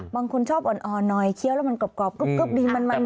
บางคนชอบอ่อนอ่อนหน่อยเคี้ยวแล้วมันกรอบกรอบกึ๊บกึ๊บดีมันมันดี